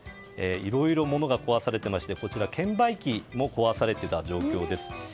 いろいろ物が壊されてまして券売機も壊されていた状況です。